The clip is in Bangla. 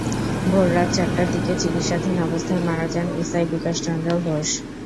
ভোররাত চারটার দিকে চিকিত্সাধীন অবস্থায় মারা যান এসআই বিকাশ চন্দ্র ঘোষ।